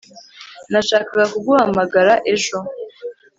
nashakaga kuguhamagara ejo